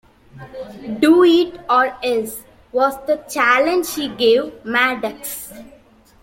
"Do it, or else" was the challenge he gave Maddux.